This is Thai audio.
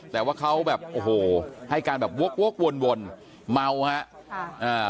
แต่ว่าเขาแบบโอ้โหให้การแบบวกวกวนวนเมาฮะค่ะอ่า